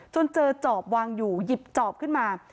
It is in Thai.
จนเจอจอบวางอยู่หยิบจอบขึ้นมา